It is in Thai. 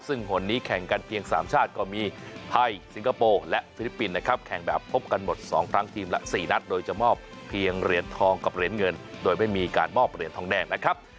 ซึ่งหนนี้แข่งกันเพียง๓ชาติก็มีไทยสิงคโปร์และฟิลิปปินส์นะครับแข่งแบบพบกันหมด๒ครั้งทีมละ๔นัดโดยจะมอบเพียงเหรียญทองกับเหรียญเงินโดยไม่มีการมอบเหรียญทองแดงนะครับ